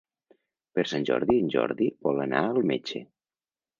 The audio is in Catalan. Per Sant Jordi en Jordi vol anar al metge.